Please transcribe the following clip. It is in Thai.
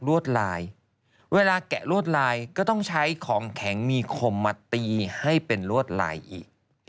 วดลายเวลาแกะลวดลายก็ต้องใช้ของแข็งมีคมมาตีให้เป็นลวดลายอีก